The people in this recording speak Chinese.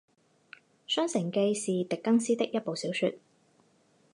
《双城记》是狄更斯的一部小说。